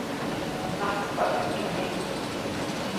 Mnajkspa teʼ tuwiʼ.